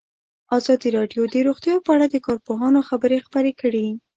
ازادي راډیو د روغتیا په اړه د کارپوهانو خبرې خپرې کړي.